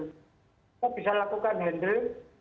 kita bisa lakukan handel